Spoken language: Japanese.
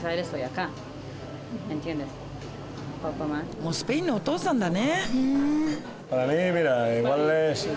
もうスペインのお父さんだね。